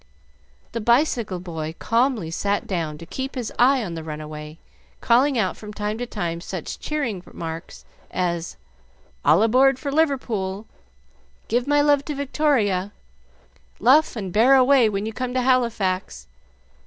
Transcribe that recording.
The bicycle boy calmly sat down to keep his eye on the runaway, calling out from time to time such cheering remarks as "All aboard for Liverpool! Give my love to Victoria! Luff and bear away when you come to Halifax!